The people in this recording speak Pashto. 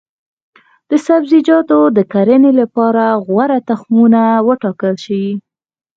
د سبزیجاتو د کرنې لپاره غوره تخمونه وټاکل شي.